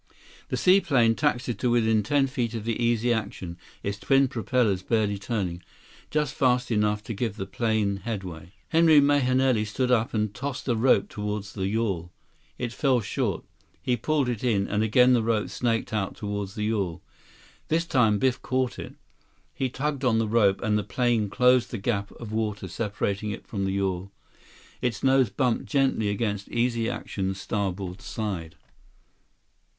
The seaplane taxied to within ten feet of the Easy Action, its twin propellers barely turning, just fast enough to give the plane headway. Henry Mahenili stood up and tossed a rope toward the yawl. It fell short. He pulled it in, and again the rope snaked out toward the yawl. This time Biff caught it. He tugged on the rope, and the plane closed the gap of water separating it from the yawl. Its nose bumped gently against Easy Action's starboard side.